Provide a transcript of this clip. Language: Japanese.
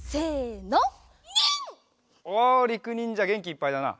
おりくにんじゃげんきいっぱいだな。